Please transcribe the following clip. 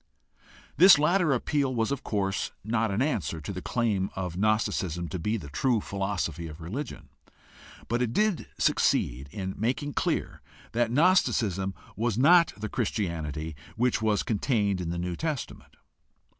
This latter appeal was of course not an answer to the claim of Gnosticism to be the true philosophy of religion, but it did succeed in making clear that Gnosticism was not the Christianity which was contained in the New Testament.